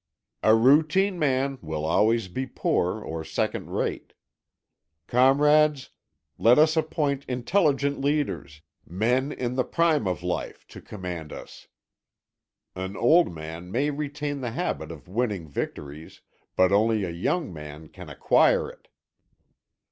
A routine man will always be poor or second rate. Comrades, let us appoint intelligent leaders, men in the prime of life, to command us. An old man may retain the habit of winning victories, but only a young man can acquire it!"